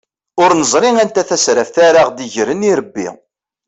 Ur neẓri anta tasraft ara aɣ-d-igren irebbi.